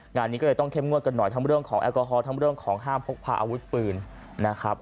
งานนี้ก็เลยต้องเข้มงวดกันหน่อยทั้งเรื่องของแอลกอฮอลทั้งเรื่องของห้ามพกพาอาวุธปืนนะครับ